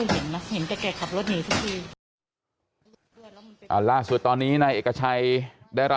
วิมนท์วันผู้สื่อข่าวของเรานะครับ